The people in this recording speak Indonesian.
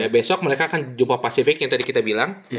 besok mereka akan jumpa pasifik yang tadi kita bilang